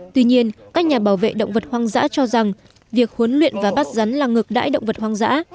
tuy nhiên các nhà bảo vệ động vật hoang dã cho rằng việc huấn luyện và bắt rắn là ngược đãi động vật hoang dã